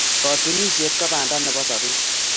Katunisyet ko banda nebo sobeet.